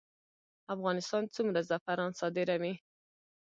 افغانستان څومره زعفران صادروي؟